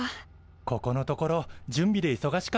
ここのところ準備でいそがしかったもんね。